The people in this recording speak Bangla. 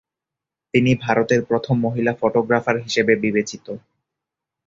তিনি ভারতের প্রথম মহিলা ফটোগ্রাফার হিসাবে বিবেচিত।